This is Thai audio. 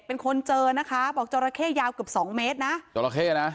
เป็นคนเจอนะคะบอกจราเข้ยาวเกือบสองเมตรนะจราเข้นะ